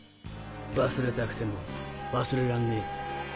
忘れたくても忘れらんねえ。